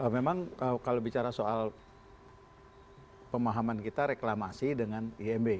memang kalau bicara soal pemahaman kita reklamasi dengan imb